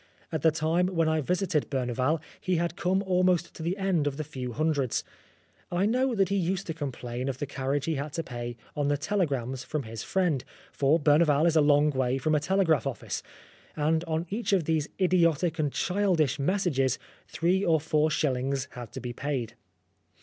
At the time when I visited Berneval, he had come almost to the end of the few hundreds. I know that he used to complain of the carriage he had to pay on the telegrams from his friend, for Berneval is a long way from a telegraph office, and on each of these idiotic and childish messages three or four shillings had to be paid.